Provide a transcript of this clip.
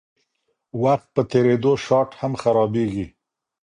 وخت په تېرېدو شات هم خرابیږي.